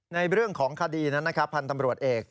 ในเรื่องของคดีนั้นพันธุ์ตำรวจเอก